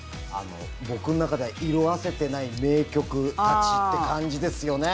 僕の中では色あせてない名曲たちって感じですよね。